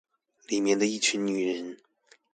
裡面的一群女人